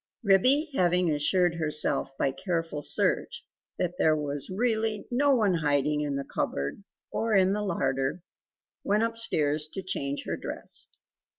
Ribby having assured herself by careful search that there was really no one hiding in the cupboard or in the larder went upstairs to change her dress.